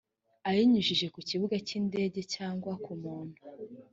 ayinyujije ku kibuga cy indege cyangwa kumuntu